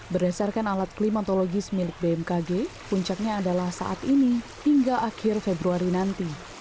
berdasarkan alat klimatologis milik bmkg puncaknya adalah saat ini hingga akhir februari nanti